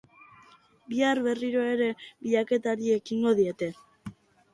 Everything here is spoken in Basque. Bihar berriro ere bilaketari ekingo diete.